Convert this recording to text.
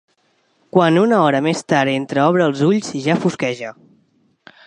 Quan una hora més tard entreobre els ulls ja fosqueja.